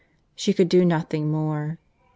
She could do nothing more. .